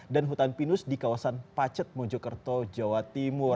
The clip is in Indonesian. dan hutan pinus di kawasan pacet mojokerto jawa timur